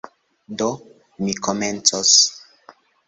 Do, mi komencos.